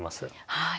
はい。